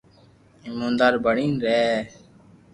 ايموندار بڻين رھي